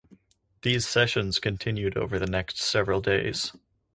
These sessions continued over the next several days.